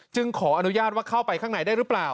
ขออนุญาตว่าเข้าไปข้างในได้หรือเปล่า